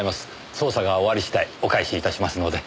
捜査が終わり次第お返し致しますので。